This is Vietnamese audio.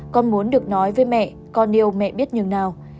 con muốn được nói với mẹ con yêu mẹ biết như thế nào